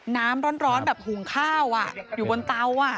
น้ำร้อนแบบหุงข้าวอยู่บนเตา